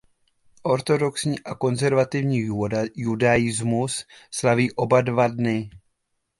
Ortodoxní a konzervativní judaismus slaví oba dva dny.